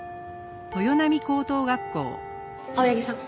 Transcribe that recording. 青柳さん。